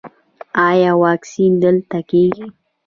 ایا واکسین دلته کیږي؟